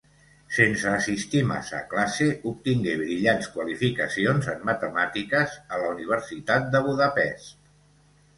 Sense assistir massa a classe, obtingué brillants qualificacions en matemàtiques a la Universitat de Budapest.